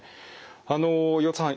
あの岩田さん。